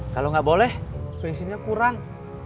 kalo gak boleh bensinnya kurang